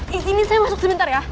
di sini saya masuk sebentar ya